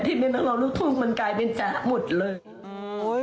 ทีนี้นักร้องรูปทุกข์มันกลายเป็นแจ๊ะหมดเลย